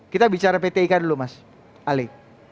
kita bicara pt ika dulu mas ali